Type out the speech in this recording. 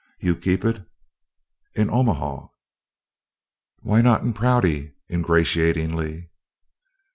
You keep it " "In Omaha." "Why not in Prouty?" ingratiatingly.